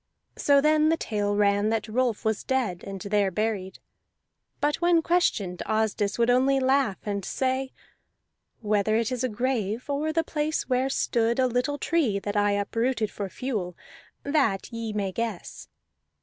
So then the tale ran that Rolf was dead, and there buried; but when questioned Asdis would only laugh and say: "Whether it is a grave, or the place where stood a little tree that I uprooted for fuel, that ye may guess."